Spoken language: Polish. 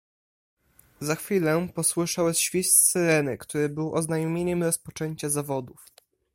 "Za chwilę posłyszał świst syreny, który był oznajmieniem rozpoczęcia zawodów."